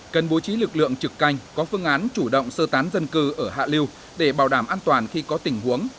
cần bố trí lực lượng trực canh có phương án chủ động sơ tán dân cư ở hạ liêu để bảo đảm an toàn khi có tình huống